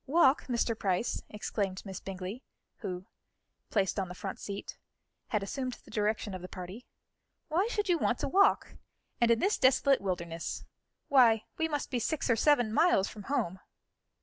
"Walk, Mr. Price?" exclaimed Miss Bingley, who, placed on the front seat, had assumed the direction of the party. "Why should you want to walk? And in this desolate wilderness! Why, we must be six or seven miles from home."